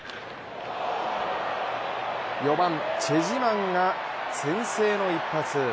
４番・チェ・ジマンが先制の一発。